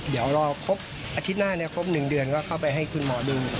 เดี๋ยวรอครบอาทิตย์หน้าครบ๑เดือนก็เข้าไปให้คุณหมอดู